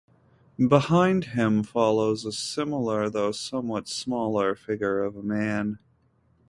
Behind him follows a similar, though somewhat smaller, figure of a man.